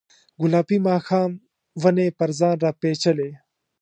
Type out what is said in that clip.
ګلابي ماښام ونې پر ځان راپیچلې